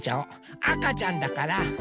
あかちゃんだからあかね。